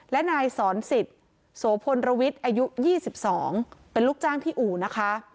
และนายสอนสิทธิ์โสพลระวิทย์อายุ๒๒เป็นลูกจ้างที่อู่นะคะ